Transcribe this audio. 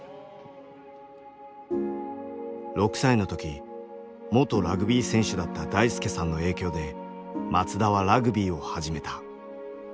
６歳の時元ラグビー選手だった大輔さんの影響で松田はラグビーを始めた。